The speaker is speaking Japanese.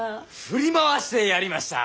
振り回してやりました！